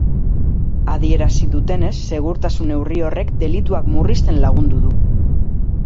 Adierazi dutenez, segurtasun neurri horrek delituak murrizten lagundu du.